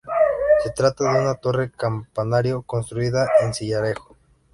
Se trata de una torre campanario construida en sillarejo.